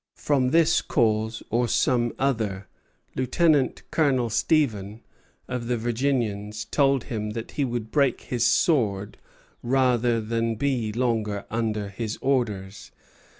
From this cause or some other, Lieutenant Colonel Stephen, of the Virginians, told him that he would break his sword rather than be longer under his orders.